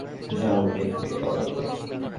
তোমরা যদি আমার অফিস রুমে যাও, দেখবে বই।